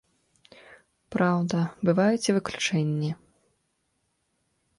Праўда, бываюць і выключэнні.